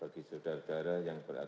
bagi saudara saudara yang berada